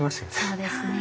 そうですね。